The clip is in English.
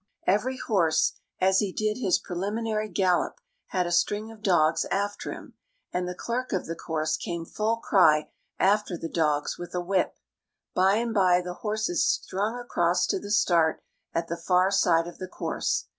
Every horse, as he did his preliminary gallop, had a string of dogs after him, and the clerk of the course came full cry after the dogs with a whip. By and by the horses strung across to the start at the far side of the course.